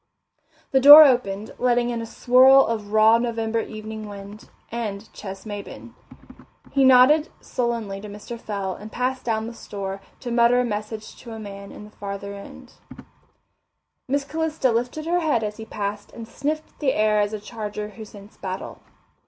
The door opened, letting in a swirl of raw November evening wind and Ches Maybin. He nodded sullenly to Mr. Fell and passed down the store to mutter a message to a man at the further end. Miss Calista lifted her head as he passed and sniffed the air as a charger who scents battle.